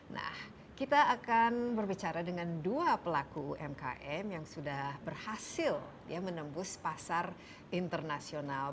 nah kita akan berbicara dengan dua pelaku umkm yang sudah berhasil menembus pasar internasional